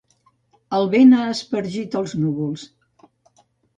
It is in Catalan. El vent ha espargit els núvols.